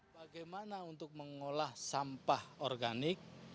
bagaimana untuk mengolah sampah organik